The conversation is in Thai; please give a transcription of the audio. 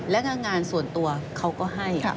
แล้วก็งานส่วนตัวเขาก็ให้